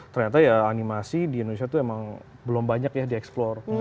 ternyata ya animasi di indonesia itu emang belum banyak ya dieksplor